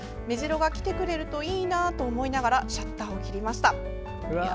メジロが来てくれるといいなと思いながらシャッターを切りました。